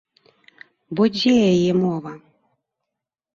Бо дзе яе мова?